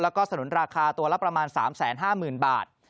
แล้วก็สนุนราคาตัวละประมาณ๓๕๐๐๐บาท